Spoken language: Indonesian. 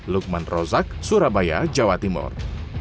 lukman rozak surabaya jawa timur